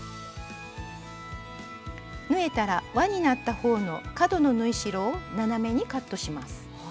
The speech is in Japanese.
縫えたらわになった方の角の縫い代を斜めにカットします。